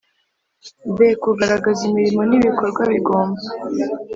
b kugaragaza imirimo n ibikorwa bigomba